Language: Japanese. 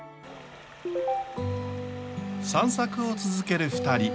散策を続ける２人。